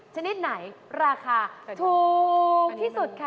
ชนิดไหนราคาถูกที่สุดคะ